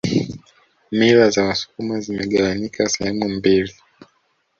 Mila za wasukuma zimegawanyika sehemu mbili